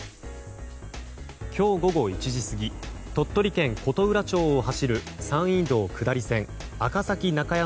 今日午後１時過ぎ鳥取県琴浦町を走る山陰道下り線赤碕中山